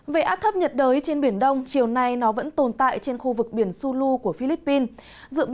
về áp thấp nhiệt đới trên biển đông chiều nay nó vẫn tồn tại trên khu vực biển sulu của philippines